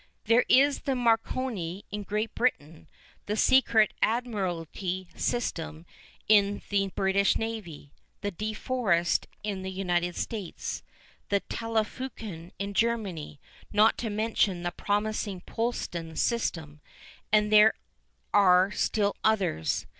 There is the Marconi in Great Britain; the secret Admiralty system in the British Navy; the De Forest in the United States; the Telefunken in Germany, not to mention the promising Poulsen system. And there are still others.